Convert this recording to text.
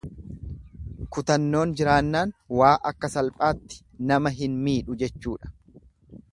Kutannoon jiraannaan waa akka salphaatti nama hin miidhu jechuudha.